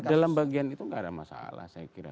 ya dalam bagian itu enggak ada masalah saya kira